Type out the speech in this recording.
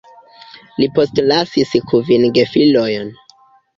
Li postlasis kvin gefilojn.